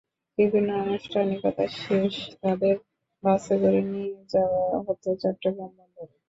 বিভিন্ন আনুষ্ঠানিকতা শেষে তাঁদের বাসে করে নিয়ে যাওয়া হতো চট্টগ্রাম বন্দরে।